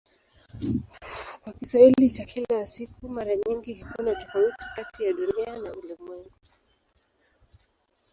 Kwa Kiswahili cha kila siku mara nyingi hakuna tofauti kati ya "Dunia" na "ulimwengu".